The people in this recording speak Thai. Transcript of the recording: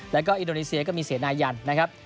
แล้วก็อินโดนีเซียก็มีเสียนายันนะครับ